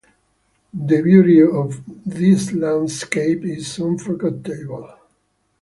The beauty of this landscape is unforgettable.